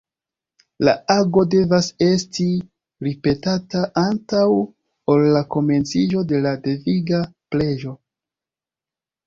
La ago devas esti ripetata antaŭ ol la komenciĝo de la deviga preĝo.